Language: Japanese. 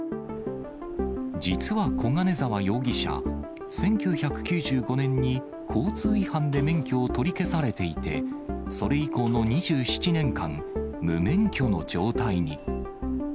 実は小金沢容疑者、１９９５年に交通違反で免許を取り消されていて、それ以降の２７年間、無免許の状態に。